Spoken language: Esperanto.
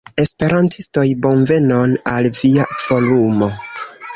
Esperantistoj, bonvenon al via Forumo!